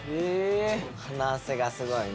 鼻汗がすごいね。